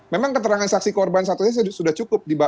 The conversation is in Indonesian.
memang keterangan saksi korban satunya sudah cukup